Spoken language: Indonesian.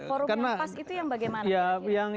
forum yang pas itu yang bagaimana